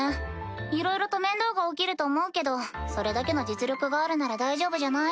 いろいろと面倒が起きると思うけどそれだけの実力があるなら大丈夫じゃない？